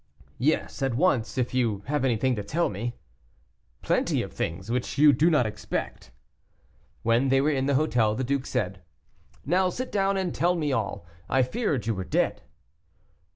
"Yes, at once, if you have anything to tell me." "Plenty of things which you do not expect." When they were in the hotel the duke said, "Now sit down and tell me all; I feared you were dead."